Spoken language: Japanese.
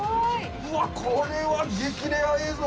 うわこれは激レア映像！